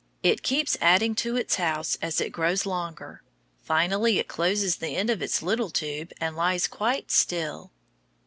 It keeps adding to its house as it grows longer. Finally, it closes the end of its little tube and lies quite still.